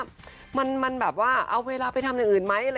อเจมส์เอาเวลาไปทำอย่างอื่นไหม